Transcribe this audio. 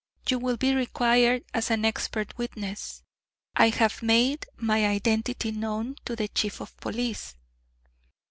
You will be required as an expert witness. I have made my identity known to the Chief of Police."